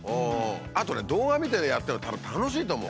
あとね動画見てやってるのたぶん楽しいと思う。